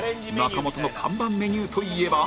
中本の看板メニューといえば